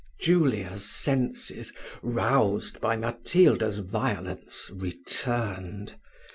Julia's senses, roused by Matilda's violence, returned.